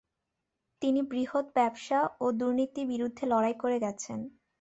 তিনি বৃহৎ ব্যবসা ও দূর্নীতির বিরুদ্ধে লড়াই করে গেছেন।